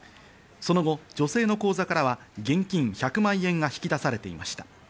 その後、女性の口座からは現金１００万円が引き出されていました。